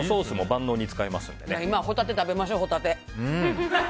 今ホタテ食べましょ、ホタテ。